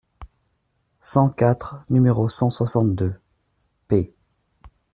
cent quatre, nº cent soixante-deux ; p.